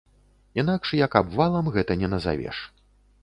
Інакш як абвалам, гэта не назавеш.